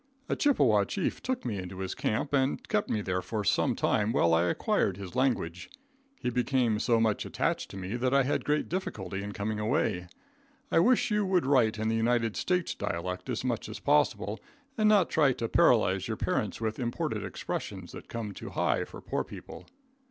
A Chippewa chief took me into his camp and kept me there for some time while I acquired his language. He became so much attached to me that I had great difficulty in coming away. I wish you would write in the United States dialect as much as possible, and not try to paralize your parents with imported expressions that come too high for poor people.